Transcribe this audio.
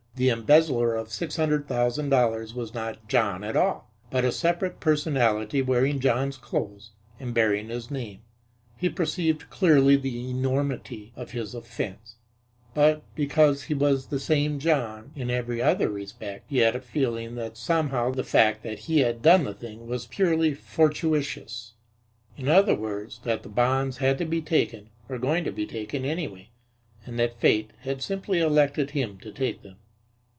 The embezzler of six hundred thousand dollars was not John at all, but a separate personality wearing John's clothes and bearing his name. He perceived clearly the enormity of his offense, but, because he was the same John in every other respect, he had a feeling that somehow the fact that he had done the thing was purely fortuitous in other words, that the bonds had to be taken, were going to be taken anyway, and that Fate had simply elected him to take them.